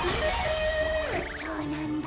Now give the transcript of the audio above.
そうなんだ。